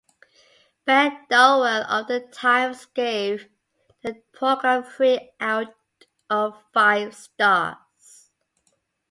Ben Dowell of "The Times" gave the programme three out of five stars.